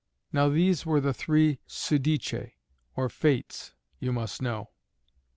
Now these were the three Soudiché or Fates, you must know.